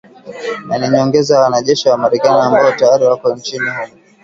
Na ni nyongeza ya wanajeshi wa Marekani ambao tayari wako nchini humo.